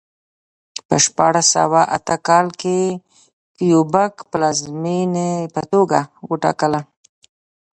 په شپاړس سوه اته کال کې کیوبک پلازمېنې په توګه وټاکله.